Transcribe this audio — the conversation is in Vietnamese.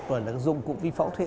hoặc là dùng cụ vi phẫu thuật